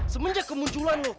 semenjak kemunculan lu